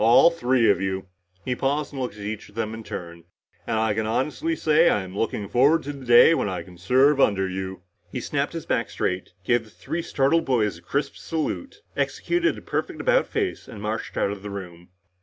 All three of you." He paused and looked at each of them in turn. "And I can honestly say I'm looking forward to the day when I can serve under you!" He snapped his back straight, gave the three startled boys a crisp salute, executed a perfect about face and marched out of the room.